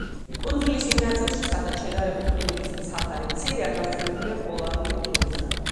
კუნძულის იმ ნაწილში სადაც შედარებით ყინულის საფარი მცირეა, გავრცელებულია პოლარული ტუნდრა.